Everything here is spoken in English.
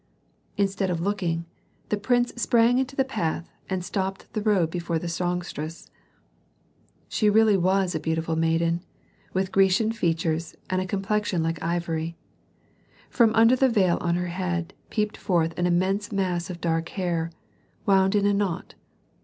Instead of looking, the prince sprang into the path and stopped the road before the songstress. She was really a beautiful maiden, with Grecian features and a complexion like ivory. From under the veil on her head peeped forth an immense mass of dark hair, wound in a knot.